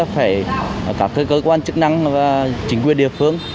phải các cơ quan chức năng và chính quyền địa phương